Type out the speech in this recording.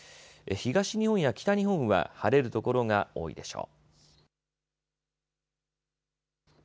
東日本や北日本は晴れる所が多いでしょう。